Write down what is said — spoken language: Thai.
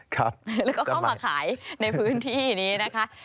แล้วก็เข้ามาขายในพื้นที่นี้นะคะ